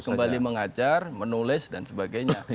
kembali mengajar menulis dan sebagainya